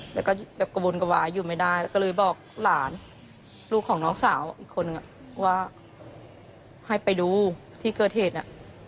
แล้วก็แบบกระวนกระวายอยู่ไม่ได้แล้วก็เลยบอกหลานลูกของน้องสาวอีกคนว่าให้ไปดูที่เกิดเหตุ